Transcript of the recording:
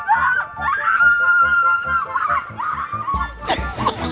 apaan sih ini